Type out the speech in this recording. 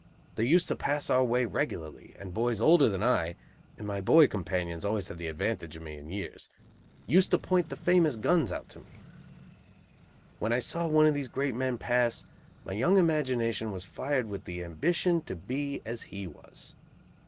They used to pass our way regularly, and boys older than I (my boy companions always had the advantage of me in years) used to point the famous "guns" out to me. When I saw one of these great men pass, my young imagination was fired with the ambition to be as he was!